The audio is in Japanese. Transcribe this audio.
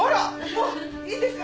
もういいんですか。